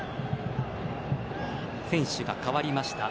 選手が代わりました。